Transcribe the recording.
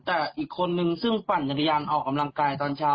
แต่อีกคนนึงซึ่งปั่นจักรยานออกกำลังกายตอนเช้า